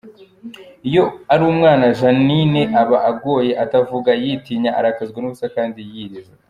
Iyo ari umwana Jeannine aba agoye atavuga, yitinya, arakazwa n’ubusa kandi yiriza.